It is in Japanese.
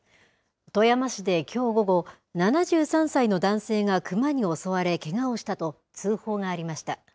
富山市できょう午後、７３歳の男性がクマに襲われけがをしたと通報がありました。